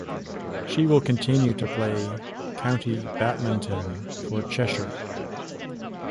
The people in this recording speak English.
She will continue to play county badminton for Cheshire.